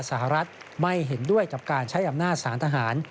สหรัฐไม่เห็นด้วยกับการใช้อำนาจสารทหาร